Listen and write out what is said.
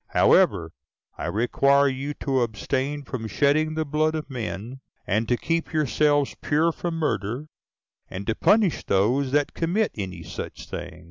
However, I require you to abstain from shedding the blood of men, and to keep yourselves pure from murder; and to punish those that commit any such thing.